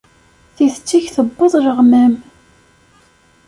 Tidet-ik tewweḍ leɣmam.